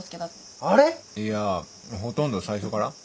いやほとんど最初から。